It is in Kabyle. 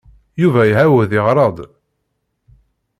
Yuba iɛawed yeɣra-d.